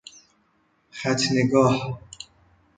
ختنه گاه